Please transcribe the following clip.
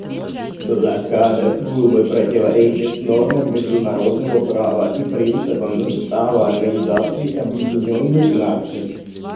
Блокада Кубы противоречит нормам международного права и принципам Устава Организации Объединенных Наций.